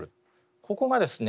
ここがですね